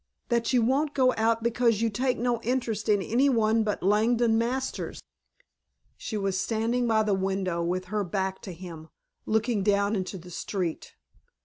That you won't go out because you take no interest in any one but Langdon Masters." She was standing by the window with her back to him, looking down into the street.